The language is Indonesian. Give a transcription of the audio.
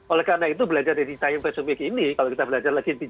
oleh karena itu belajar dari cita invasiunik ini